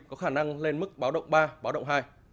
có khả năng lên mức báo động ba báo động hai